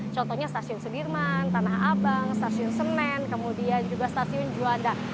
contohnya stasiun sudirman tanah abang stasiun senen kemudian juga stasiun juanda